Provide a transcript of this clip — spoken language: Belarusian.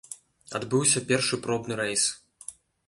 Адбыўся першы пробны рэйс.